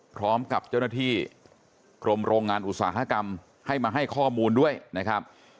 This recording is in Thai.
พร้อมกับเจ้าหน้าที่กรมโรงงานอุตสาหกรรมให้มาให้ข้อมูลด้วยนะครับ